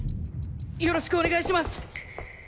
よろしくお願いします。